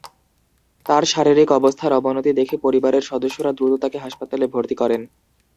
তাঁর শারীরিক অবস্থার অবনতি দেখে পরিবারের সদস্যরা দ্রুত তাঁকে হাসপাতালে ভর্তি করেন।